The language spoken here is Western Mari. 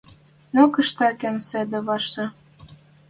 Но кыштакен седӹ важшы?